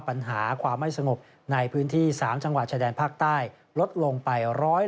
ปัญหาความไม่สงบในพื้นที่๓จังหวัดชายแดนภาคใต้ลดลงไป๑๐